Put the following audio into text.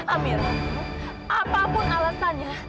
amira apapun alasannya